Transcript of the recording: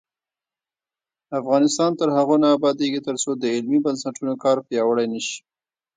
افغانستان تر هغو نه ابادیږي، ترڅو د علمي بنسټونو کار پیاوړی نشي.